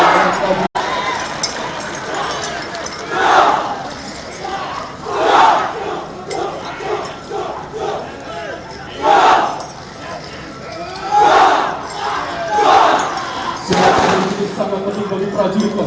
sebagai penyelidik sangat penting bagi prajurit kuasa